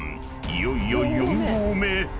［いよいよ４合目へ］